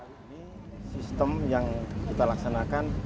ini sistem yang kita laksanakan